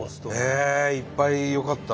いっぱいよかったなあ